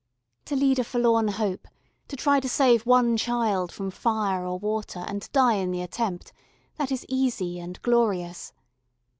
To lead a forlorn hope, to try to save one child from fire or water, and die in the attempt that is easy and glorious.